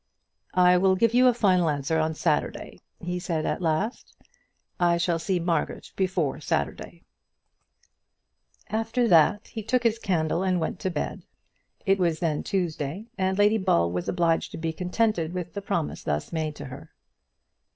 "I will give you a final answer on Saturday," he said at last. "I shall see Margaret before Saturday." After that he took his candle and went to bed. It was then Tuesday, and Lady Ball was obliged to be contented with the promise thus made to her.